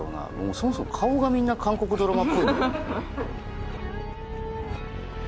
そもそも顔がみんな韓国ドラマっぽい。